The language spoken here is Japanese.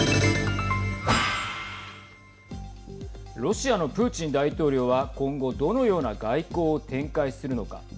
ロシアのプーチン大統領は今後どのような外交を展開するのか。